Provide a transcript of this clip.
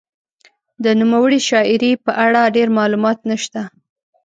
د نوموړې شاعرې په اړه ډېر معلومات نشته.